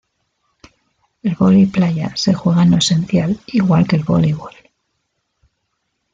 El vóley playa se juega en lo esencial igual que el voleibol.